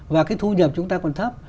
và cái thu nhập chúng ta còn thấp